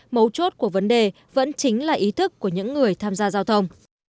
mấu chốt của vấn đề vẫn chính là ý thức của những người tham gia giao thông